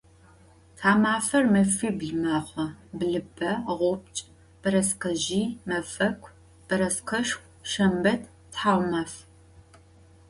Thamafer mefibl mexhu: blıpe, ğubc, bereskezjıy, mefeku, bereskeşşxu, şşembet, thaumaf.